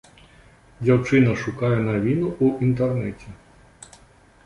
Дзяўчына шукае навіну ў інтэрнэце.